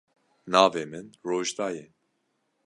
Navê min Rojda ye.